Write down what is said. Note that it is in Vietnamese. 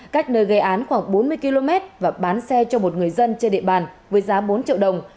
cách nơi gây án khoảng bốn mươi km và bán xe cho một người dân trên địa bàn với giá bốn triệu đồng